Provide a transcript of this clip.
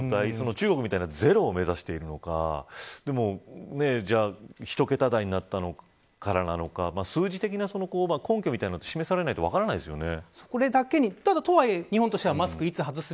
中国みたいなゼロを目指しているのかひと桁台になってからなのか数字的な根拠みたいなものは示されないと分からないですよね。